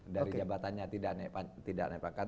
dari jabatannya tidak nepatkan